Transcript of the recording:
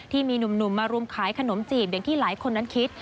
ที่มีหนุ่มมารุมขายขนมจีบอย่างที่หลายคนนั้นคิด